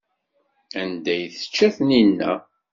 Anda ay tečča Taninna?